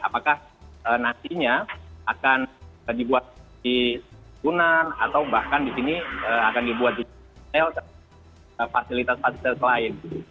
apakah nantinya akan dibuat di kunar atau bahkan di sini akan dibuat fasilitas fasilitas lain